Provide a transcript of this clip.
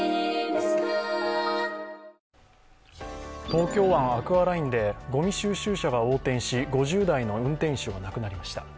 東京湾アクアラインでごみ収集車が横転し５０代の運転手が亡くなりました。